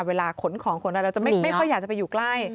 เวลาขนของเราจะไม่ค่อยอยากจะไปอยู่ใกล้